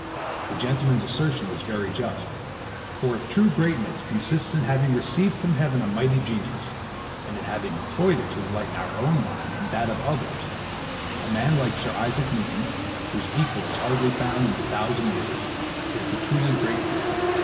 The gentleman's assertion was very just; for if true greatness consists in having received from heaven a mighty genius, and in having employed it to enlighten our own mind and that of others, a man like Sir Isaac Newton, whose equal is hardly found in a thousand years, is the truly great man.